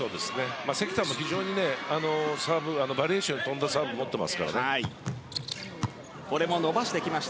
関田も非常にバリエーションに富んだサーブを持っていますから。